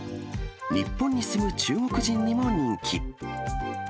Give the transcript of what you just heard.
日本に住む中国人にも人気。